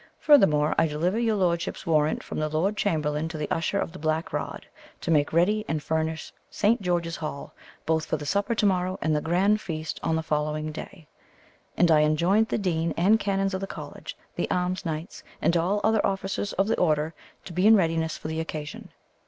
"Furthermore, I delivered your lordship's warrant from the lord chamberlain to the usher of the black rod, to make ready and furnish Saint George's Hall, both for the supper to morrow and the grand feast on the following day; and I enjoined the dean and canons of the college, the alms knights, and all the other officers of the order, to be in readiness for the occasion.